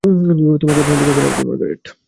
তোমাকে দেখেও ভালো লাগলো, মার্গারেট।